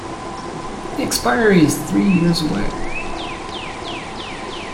The expiry is three years away.